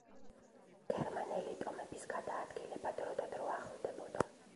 გერმანელი ტომების გადაადგილება დროდადრო ახლდებოდა.